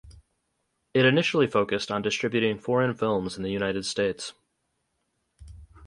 It initially focused on distributing foreign films in the United States.